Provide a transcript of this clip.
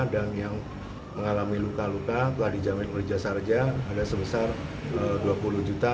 dan yang mengalami luka luka telah dijamin oleh jasara harja ada sebesar rp dua puluh juta